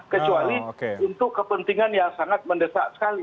kecuali untuk kepentingan yang sangat mendesak sekali